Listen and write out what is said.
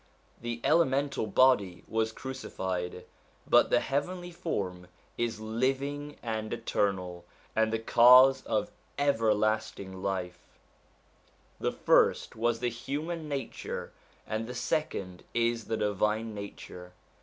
The elemental body was crucified, but the heavenly form is living and eternal, and the cause of everlasting life ; the first was the human nature, and the second is the divine nature.